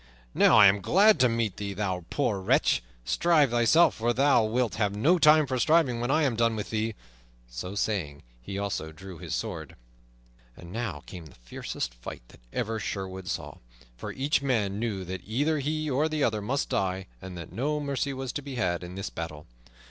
"Now I am glad to meet thee, thou poor wretch! Shrive thyself, for thou wilt have no time for shriving when I am done with thee." So saying, he also drew his sword. And now came the fiercest fight that ever Sherwood saw; for each man knew that either he or the other must die, and that no mercy was to be had in this battle.